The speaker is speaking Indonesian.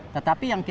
tetapi yang kita